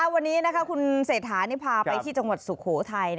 วันนี้คุณเศรษฐานี่พาไปที่จังหวัดสุโขทัย